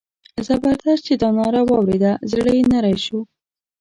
زبردست چې دا ناره واورېده زړه یې نری شو.